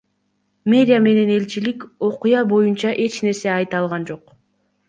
Мэрия менен элчилик окуя боюнча эч нерсе айта элек.